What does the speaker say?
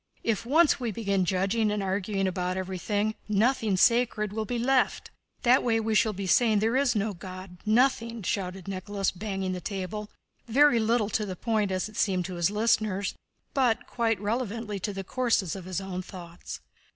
If once we begin judging and arguing about everything, nothing sacred will be left! That way we shall be saying there is no God—nothing!" shouted Nicholas, banging the table—very little to the point as it seemed to his listeners, but quite relevantly to the course of his own thoughts.